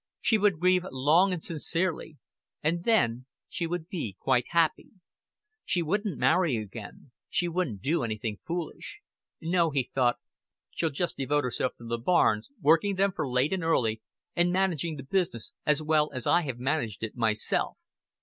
She would grieve long and sincerely and then she would be quite happy. She wouldn't marry again; she wouldn't do anything foolish. "No," he thought, "she'll just devote herself to the bairns, working for them late and early, and managing the business as well as I have managed it myself.